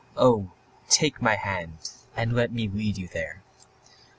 Oh, take my hand and let me lead you there.